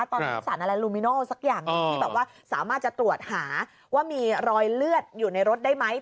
ตอนนี้สารอะไรลูมิโนสักอย่างที่แบบว่าสามารถจะตรวจหาว่ามีรอยเลือดอยู่ในรถได้ไหม